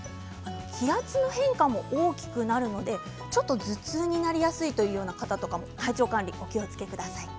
気圧の変化も大きくなるのでちょっと頭痛になりやすいという方とか体調管理もお気をつけください。